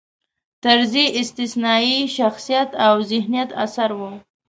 طرزی استثنايي شخصیت او ذهینت اثر و.